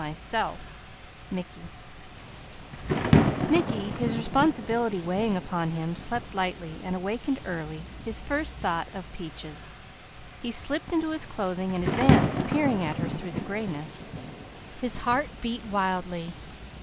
_ Mickey, his responsibility weighing upon him, slept lightly and awakened early, his first thought of Peaches. He slipped into his clothing and advancing peered at her through the grayness. His heart beat wildly.